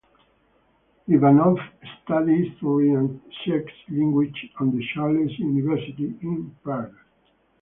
Ivanov studied history and Czech language at the Charles University in Prague.